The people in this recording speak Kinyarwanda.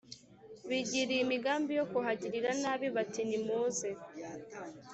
bigiriye imigambi yo kuhagirira nabi bati Nimuze